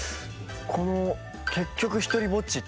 この「結局ひとりぼっち」っていう。